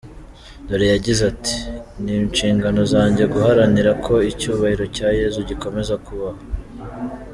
Dola yagize ati ”Ni inshingano zanjye guharanira ko icyubahiro cya Yezu gikomeza kubahwa.